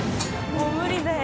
もう無理だよ。